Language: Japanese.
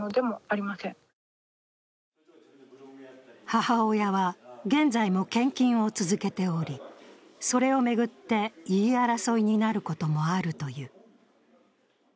母親は現在も献金を続けておりそれを巡って、言い争いになることもあるという。